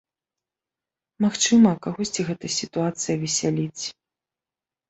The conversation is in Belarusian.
Магчыма, кагосьці гэта сітуацыя весяліць.